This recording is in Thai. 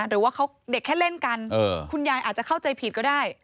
หรือว่าเด็กแค่เล่นกันคุณยายอาจจะเข้าใจผิดก็ได้